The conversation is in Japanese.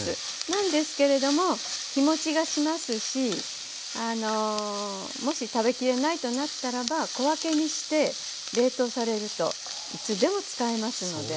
なんですけれども日もちがしますしもし食べ切れないとなったらば小分けにして冷凍されるといつでも使えますので。